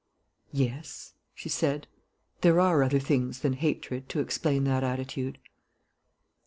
"Yes," she said, "there are other things than hatred to explain that attitude."